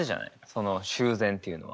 その修繕っていうのは。